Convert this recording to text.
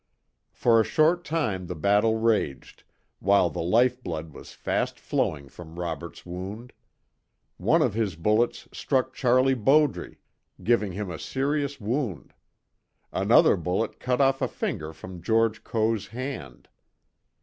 For a short time the battle raged, while the lifeblood was fast flowing from Robert's wound. One of his bullets struck Charlie Bowdre, giving him a serious wound. Another bullet cut off a finger from George Coe's hand.